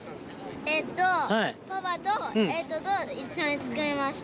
えっと、パパと一緒に作りました。